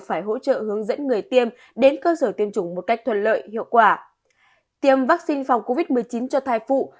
phải hỗ trợ hướng dẫn người tiêm đến cơ sở tiêm chủng một cách thuận lợi hiệu quả